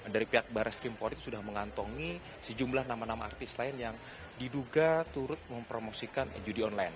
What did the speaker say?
dari pihak barres krimporik sudah mengantongi sejumlah nama nama artis lain yang diduga turut mempromosikan judi online